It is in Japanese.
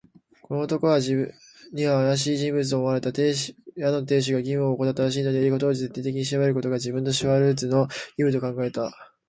この男は自分にはあやしい人物と思われた。宿の亭主が義務をおこたったらしいので、事を徹底的に調べることが、自分、つまりシュワルツァーの義務と考えた。